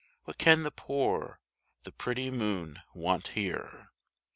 What can the poor, the pretty moon want here?